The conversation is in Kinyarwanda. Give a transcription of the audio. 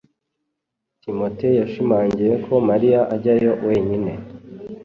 timote yashimangiye ko mariya ajyayo wenyine